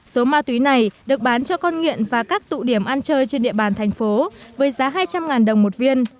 số ma túy này được bán cho con nghiện và các tụ điểm ăn chơi trên địa bàn thành phố với giá hai trăm linh đồng một viên